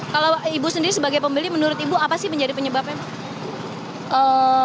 kalau ibu sendiri sebagai pembeli menurut ibu apa sih menjadi penyebabnya